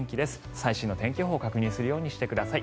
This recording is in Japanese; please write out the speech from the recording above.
最新の天気予報を確認するようにしてください。